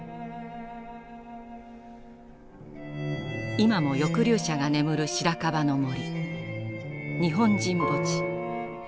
今も抑留者が眠る白樺の森日本人墓地。